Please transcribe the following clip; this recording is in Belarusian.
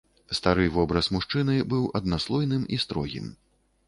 Стары вобраз мужчыны быў аднаслойным і строгім.